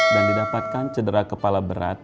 dan didapatkan cedera kepala berat